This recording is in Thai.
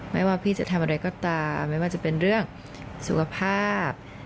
ไม่ว่าพี่จะทำอะไรก็ตามไม่ว่าจะเป็นเรื่องสุขภาพ